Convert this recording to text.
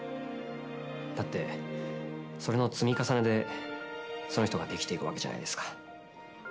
だって、それの積み重ねでその人ができていくわけじゃないですか。